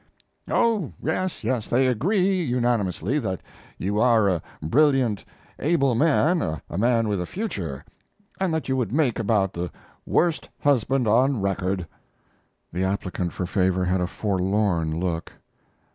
"Oh yes, yes; they agree unanimously that you are a brilliant, able man, a man with a future, and that you would make about the worst husband on record." The applicant for favor had a forlorn look.